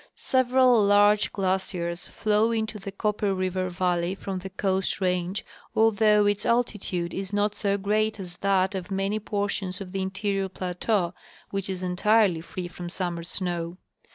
Several large glaciers flow into the Copper River valley from the Coast range, although its altitude is not so great as that of many portions of the interior 2:)lateau, which is entirely free from summer snow.